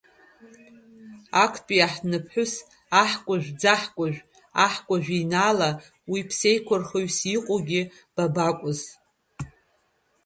Актәиаҳҭныԥҳәыс Аҳкәажә-Ӡаҳкәажә, Аҳкәажә еинаала, уи иԥсеиқәырхаҩыс иҟоугьы ба бакәыз!